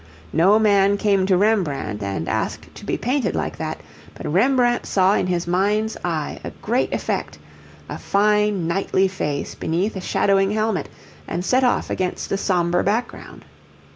No man came to Rembrandt and asked to be painted like that; but Rembrandt saw in his mind's eye a great effect a fine knightly face beneath a shadowing helmet and set off against a sombre background.